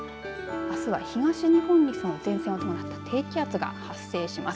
あすは東日本に前線を伴った低気圧が発生します。